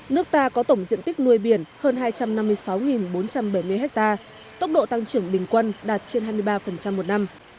nước ta có tổng diện tích nuôi biển hơn hai trăm năm mươi sáu bốn trăm bảy mươi ha tốc độ tăng trưởng bình quân đạt trên hai mươi ba một năm